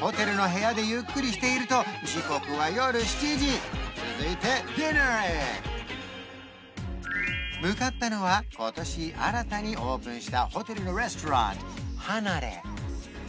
ホテルの部屋でゆっくりしていると時刻は夜７時続いてディナーへ向かったのは今年新たにオープンしたホテルのレストラン